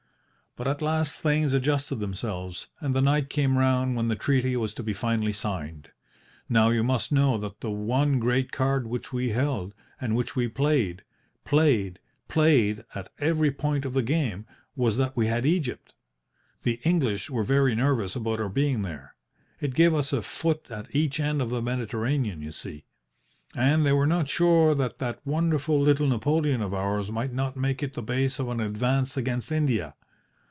But at last things adjusted themselves, and the night came round when the treaty was to be finally signed. Now, you must know that the one great card which we held, and which we played, played, played at every point of the game, was that we had Egypt. The English were very nervous about our being there. It gave us a foot at each end of the Mediterranean, you see. And they were not sure that that wonderful little Napoleon of ours might not make it the base of an advance against India.